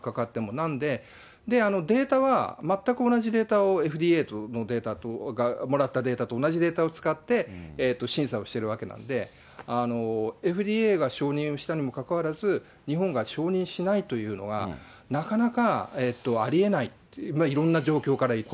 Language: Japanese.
なので、データは全く同じデータをＦＤＡのデータと、もらったデータと同じデータを使って審査をしてるわけなんで、ＦＤＡが承認をしたにもかかわらず、日本が承認しないというのは、なかなかありえない、いろんな状況から言って。